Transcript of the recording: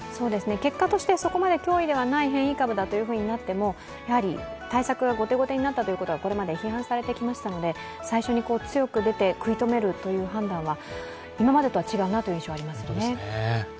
結果として、そこまで脅威ではないという変異株だとなっても対策が後手後手になったということがこれまで批判されてきましたので最初に強く出て食い止めるという判断は今までと違うかなと思います。